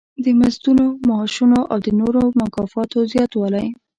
د مزدونو، معاشونو او د نورو مکافاتو زیاتوالی.